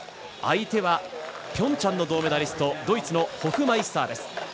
相手はピョンチャンの銅メダリストドイツのホフマイスターです。